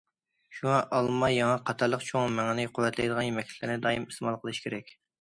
شۇڭا، ئالما، ياڭاق قاتارلىق چوڭ مېڭىنى قۇۋۋەتلەيدىغان يېمەكلىكلەرنى دائىم ئىستېمال قىلىش كېرەك.